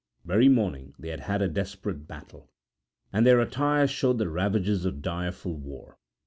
That very morning they had had a desperate battle, and their attire showed the ravages of direful war.